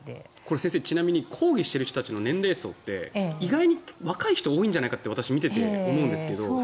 先生ちなみに抗議している人の年齢層は意外に若い人が多いんじゃないかって私、見ていて思うんですけど。